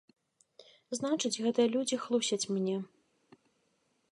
Значыць, гэтыя людзі хлусяць мне.